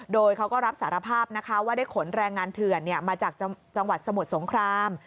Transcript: โดยเขาก็รับสารภาพที่ได้ขนแรงงานถือก็มาจากสมจบรสงคราม